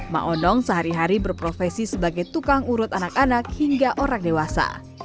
⁇ onong sehari hari berprofesi sebagai tukang urut anak anak hingga orang dewasa